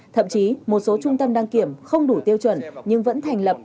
thậm chí một số trung tâm đăng kiểm không đủ tiêu chuẩn nhưng vẫn thành lập